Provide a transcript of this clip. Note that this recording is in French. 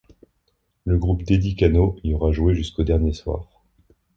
Le groupe d'Eddie Cano y aura joué jusqu'au dernier soir.